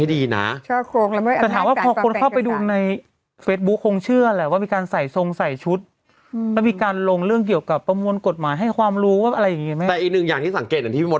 ดูความผิดสิ